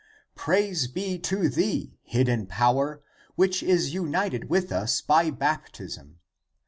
Praise be to thee, hidden power, which is united with us by baptism